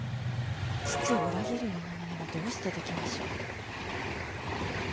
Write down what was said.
父を裏切るようなまねがどうしてできましょう。